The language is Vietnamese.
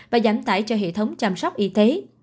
và giảm tải cho hệ thống chăm sóc y tế